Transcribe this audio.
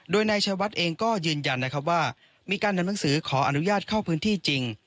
โดยนายชายวัดเองก็ยืนยันนะครับว่ามีการทำหนังสือขออนุญาตเข้าพื้นที่จริง